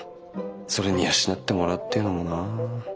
それに養ってもらうっていうのもな。